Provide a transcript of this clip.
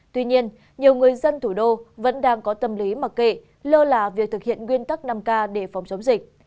tuy nhiên nhiều người dân thủ đô vẫn đang có tâm lý mặc kệ lơ là việc thực hiện nguyên tắc năm k để phòng chống dịch